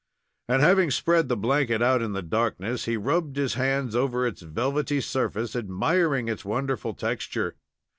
And, having spread the blanket out in the dark ness, he rubbed his hands over its velvety surface, admiring its wonderful texture.